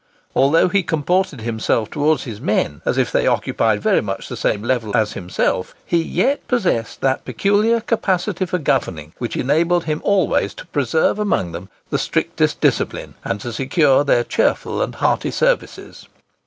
Although he comported himself towards his men as if they occupied very much the same level as himself, he yet possessed that peculiar capacity for governing which enabled him always to preserve among them the strictest discipline, and to secure their cheerful and hearty services.